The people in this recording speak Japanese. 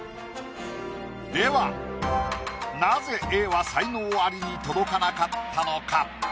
ではなぜＡは才能アリに届かなかったのか？